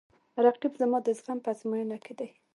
رقیب زما د زغم په ازموینه کې دی